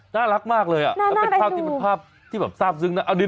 น่ารักมากเลยอ่ะเป็นภาพที่แบบทราบซึ้งนี่เห็นไหม